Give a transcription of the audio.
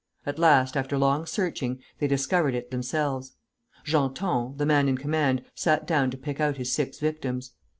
At last, after long searching, they discovered it themselves. Genton, the man in command, sat down to pick out his six victims.